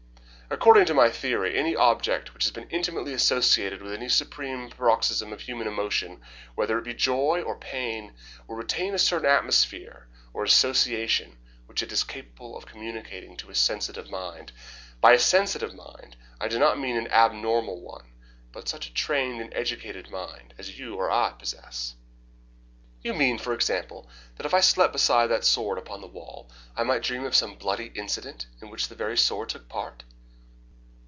According to my theory, any object which has been intimately associated with any supreme paroxysm of human emotion, whether it be joy or pain, will retain a certain atmosphere or association which it is capable of communicating to a sensitive mind. By a sensitive mind I do not mean an abnormal one, but such a trained and educated mind as you or I possess." "You mean, for example, that if I slept beside that old sword upon the wall, I might dream of some bloody incident in which that very sword took part?"